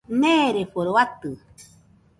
Neereforo atɨ